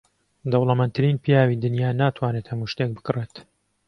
دەوڵەمەندترین پیاوی دنیا ناتوانێت هەموو شتێک بکڕێت.